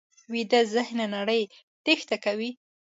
ویده ذهن له نړۍ تېښته کوي